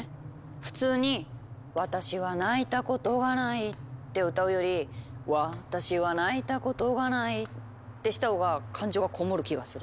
普通に「私は泣いたことがない」って歌うより「私は泣いたことがない」ってしたほうが感情がこもる気がする。